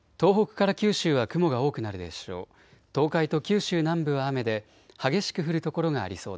東北から九州は雲が多くなるでしょう。